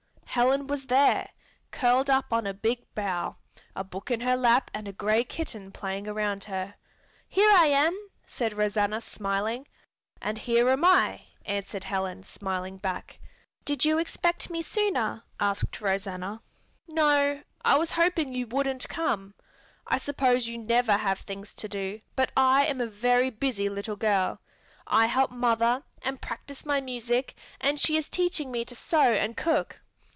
Helen was there, curled up on a big bough, a book in her lap and a gray kitten playing around her. "Here I am!" said Rosanna, smiling. "And here am I," answered Helen, smiling back. "Did you expect me sooner?" asked Rosanna. "No; I was hoping you wouldn't come. I suppose you never have things to do, but I am a very busy little girl. I help mother, and practice my music, and she is teaching me to sew and cook.